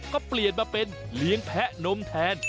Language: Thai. ก็เปลี่ยนมาเป็นเลี้ยงแพะนมแทน